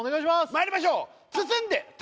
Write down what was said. まいりましょう！